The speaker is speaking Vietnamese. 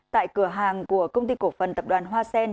tại cửa hàng của công ty cổ phần tập đoàn hoa sen